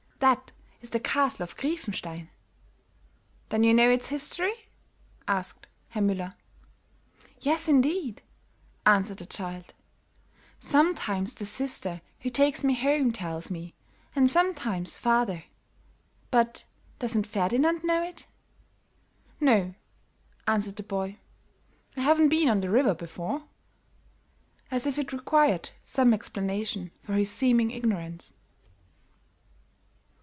"That is the Castle of Griefenstein." "Then you know its history?" asked Herr Müller. "Yes, indeed," answered the child. "Sometimes the Sister who takes me home tells me, and sometimes father; but doesn't Ferdinand know it?" "No," answered the boy. "I haven't been on the river before." As if it required some explanation for his seeming ignorance.